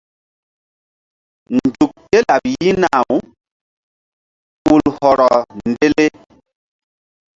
Nzuk ké laɓ yi̧hna-u ul hɔrɔ ndele.